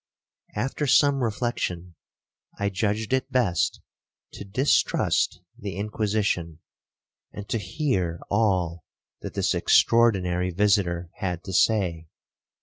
After some reflection, I judged it best to distrust the Inquisition, and to hear all that this extraordinary visitor had to say.